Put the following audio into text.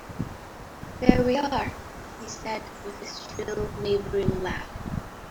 "There we are," he said, with his shrill, wavering laugh.